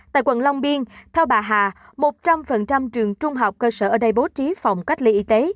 tại quận long biên theo bà hà một trăm linh trường trung học cơ sở ở đây bố trí phòng cách ly y tế